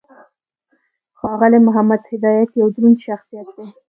ښاغلی محمد هدایت یو دروند شخصیت دی.